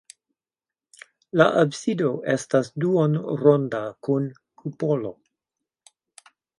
La absido estas duonronda kun kupolo.